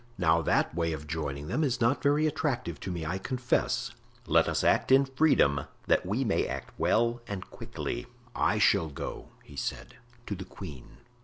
Now, that way of joining them is not very attractive to me, I confess. Let us act in freedom, that we may act well and quickly." "I shall go," he said, "to the queen."